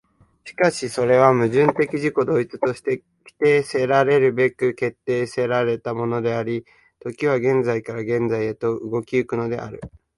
しかしそれは矛盾的自己同一として否定せられるべく決定せられたものであり、時は現在から現在へと動き行くのである。